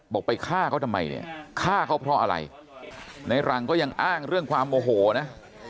ไปฆ่าเขาทำไมเนี่ยฆ่าเขาเพราะอะไรในรังก็ยังอ้างเรื่องความโมโหนะ